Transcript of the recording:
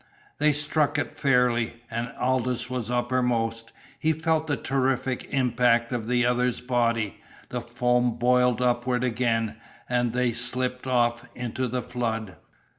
They struck it fairly, and Aldous was uppermost. He felt the terrific impact of the other's body. The foam boiled upward again, and they slipped off into the flood.